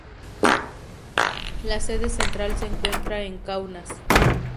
La sede central se encuentra en Kaunas.